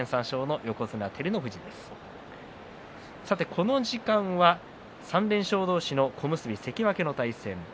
この時間は３連勝同士の小結関脇の対戦。